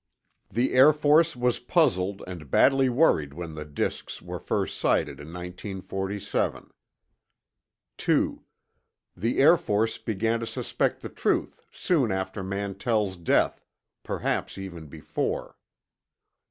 The Air Force was puzzled, and badly worried when the disks first were sighted in 1947. 2. The Air Force began to suspect the truth soon after Mantell's death—perhaps even before.